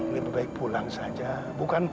lebih baik pulang saja